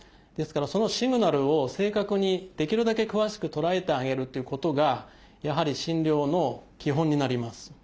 ですからそのシグナルを正確にできるだけ詳しく捉えてあげるということがやはり診療の基本になります。